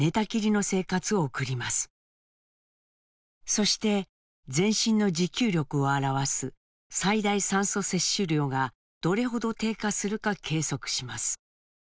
そして全身の持久力を表す最大酸素摂取量がどれほど低下するか計測します。